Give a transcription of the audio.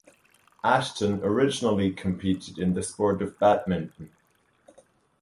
Ashton originally competed in the sport of badminton.